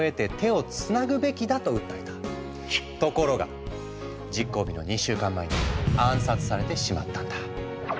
ところが実行日の２週間前に暗殺されてしまったんだ。